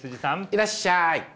いらっしゃい。